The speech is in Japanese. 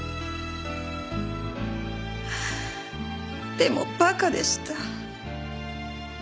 でも馬鹿でした。